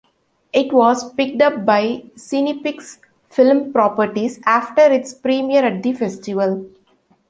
It was picked up by Cinepix Film Properties after its premiere at the Festival.